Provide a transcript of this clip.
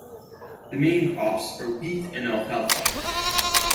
The main crops are wheat and alfalfa.